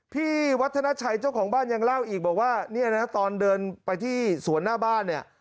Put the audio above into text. พี่วัฒนาชัยเจ้าของบ้านยังเล่าอีกบอกว่าเนี่ยนะตอนเดินไปที่สวนหน้าบ้านเนี่ย